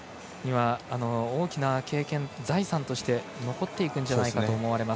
大きな経験、財産として残っていくんじゃないかと思われます。